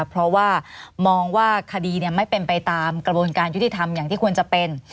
เพราะว่ามองว่าคดีไม่เป็นไปตามกระบวนการยุติธรรมอย่างที่ควรจะเป็น